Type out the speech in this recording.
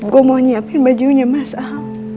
gue mau nyiapin bajunya mas a